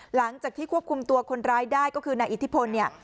หลังจากที่ควบคุมตัวคนร้ายได้ก็คือนายอิทธิพลเนี่ย